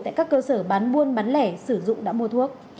tại các cơ sở bán buôn bán lẻ sử dụng đã mua thuốc